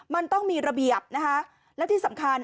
มันต้องมีระเบียบนะคะและที่สำคัญ